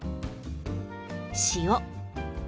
塩。